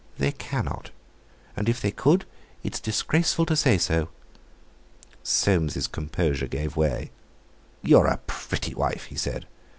"They cannot. And if they could, it's disgraceful to say so." Soames's composure gave way. "You're a pretty wife!" he said.